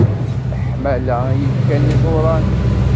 Leḥmala i yefkan iẓuran.